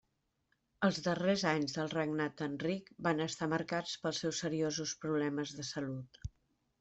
Els darrers anys del regnat d'Enric van estar marcats pels seus seriosos problemes de salut.